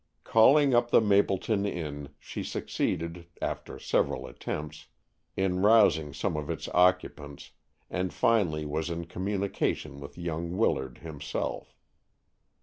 Calling up the Mapleton Inn, she succeeded, after several attempts, in rousing some of its occupants, and finally was in communication with young Willard himself.